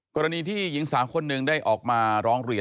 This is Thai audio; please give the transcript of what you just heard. กรณีที่หญิงสาวคนหนึ่งได้ออกมาร้องเรียน